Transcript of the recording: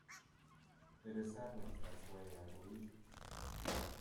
It is saplings that sway, I believe.